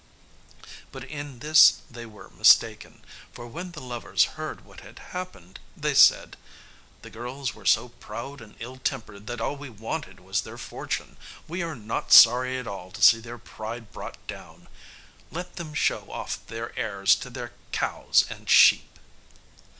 But in this they were mistaken; for when the lovers heard what had happened, they said, "The girls were so proud and ill tempered that all we wanted was their fortune; we are not sorry at all to see their pride brought down; let them show off their airs to their cows and sheep."